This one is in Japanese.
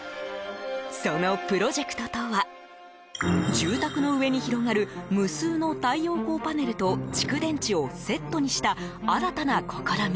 そのプロジェクトとは住宅の上に広がる無数の太陽光パネルと蓄電池をセットにした新たな試み。